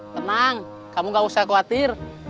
tenang kamu gak usah khawatir